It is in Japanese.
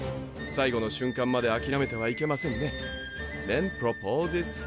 最後の瞬間まで諦めてはいけませんね。